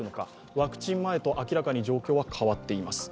ワクチン前と明らかに状況は変わっています。